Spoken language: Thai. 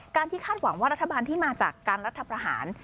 ที่คาดหวังว่ารัฐบาลที่มาจากการรัฐประหาร